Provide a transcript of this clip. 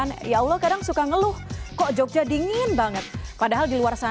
pejabat kbri tokyo telah bergabung bersama kami